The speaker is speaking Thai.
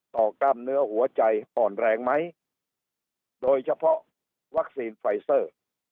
กล้ามเนื้อหัวใจอ่อนแรงไหมโดยเฉพาะวัคซีนไฟเซอร์